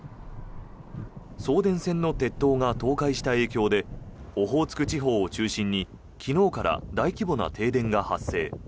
送電線の鉄塔が倒壊した影響でオホーツク地方を中心に昨日から大規模な停電が発生。